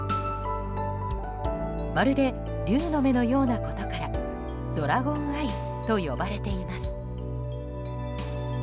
まるで龍の目のようなことからドラゴンアイと呼ばれています。